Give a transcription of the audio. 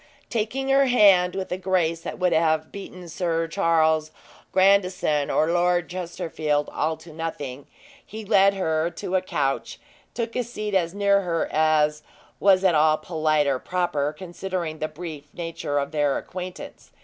Taking her hand, with a grace that would have beaten Sir Charles Grandison or Lord Chesterfield all to nothing, he led her to a couch, and took a seat as near her as was at all polite or proper, considering the brief nature of their acquaintance.